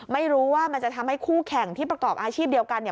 ไม่รู้ว่ามันจะทำให้คู่แข่งที่ประกอบอาชีพเดียวกันเนี่ย